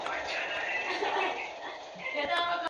Son nativos de Sudáfrica y se cultivan como planta ornamental.